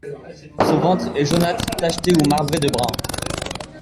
Son ventre est jaunâtre tacheté ou marbré de brun.